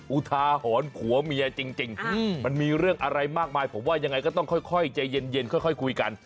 อุทาหรณ์ผัวเมียจริงมันมีเรื่องอะไรมากมายผมว่ายังไงก็ต้องค่อยใจเย็นค่อยคุยกัน